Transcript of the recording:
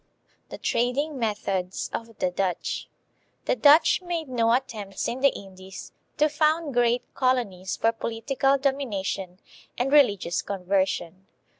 The Trading Methods of the Dutch. The Dutch made no attempts in the Indies to found great colonies for po litical domination and religious conversion.